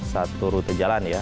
saat rute jalan ya